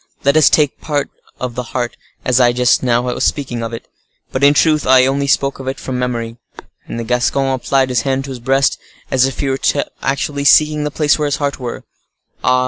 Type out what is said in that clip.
let us take the part of the heart, as I just now was speaking of it. But in truth, I only spoke of it from memory." And the Gascon applied his hand to his breast, as if he were actually seeking the place where his heart was. "Ah!